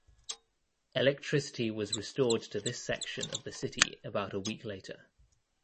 Electricity was restored to this section of the city about a week later.